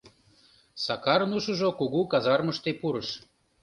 Сакарын ушыжо кугу казармыште пурыш.